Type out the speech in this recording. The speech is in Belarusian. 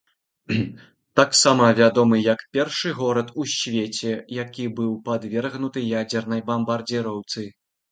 Таксама вядомы як першы горад у свеце, які быў падвергнуты ядзернай бамбардзіроўцы.